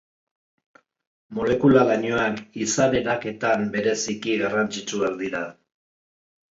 Molekula lainoak, izar eraketan bereziki garrantzitsuak dira.